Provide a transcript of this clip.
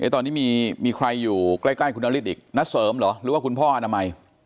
ตอนนี้มีใครอยู่ใกล้คุณนฤทธิอีกณเสริมเหรอหรือว่าคุณพ่ออนามัย